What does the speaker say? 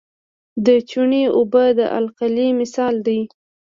د چونې اوبه د القلي مثال دی.